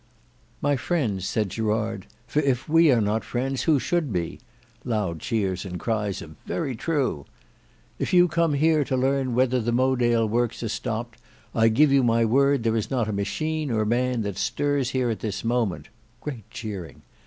"My friends," said Gerard, "for if we are not friends who should be? (loud cheers and cries of "Very true"), if you come hear to learn whether the Mowedale works are stopped, I give you my word there is not a machine or man that stirs here at this moment (great cheering).